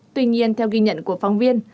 tuy nhiên theo ghi nhận của phóng viên